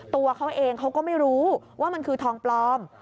ตัวเขาเองเขาก็ไม่รู้ว่ามันคือทองปลอม